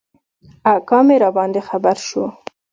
اکا مي راباندي خبر شو .